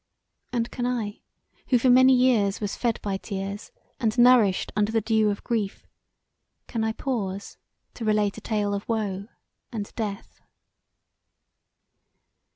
And can I who for many years was fed by tears, and nourished under the dew of grief, can I pause to relate a tale of woe and death?